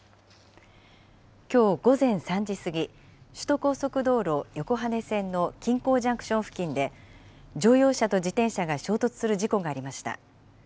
きょう午前３時過ぎ、首都高速道路横羽線の金港ジャンクション付近で乗用車と自転車が衝突する事故がありました。